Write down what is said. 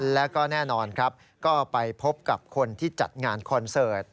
แล้วก็แน่นอนครับก็ไปพบกับคนที่จัดงานคอนเสิร์ต